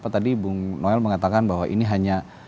tadi bung noel mengatakan bahwa ini hanya